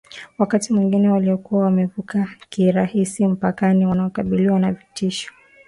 Wakati wengine waliokuwa wamevuka kirahisi mpakani wanakabiliwa na vitisho